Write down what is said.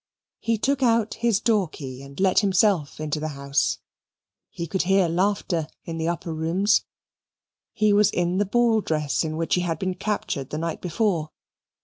He took out his door key and let himself into the house. He could hear laughter in the upper rooms. He was in the ball dress in which he had been captured the night before.